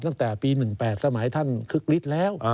ตั้งแต่ปี๑๘สมัยท่านคึกฤทธิ์แล้ว